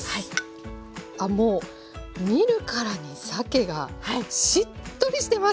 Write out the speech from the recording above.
あもう見るからにさけがしっとりしてます。